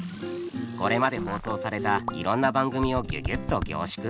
これまで放送されたいろんな番組をギュギュッと凝縮。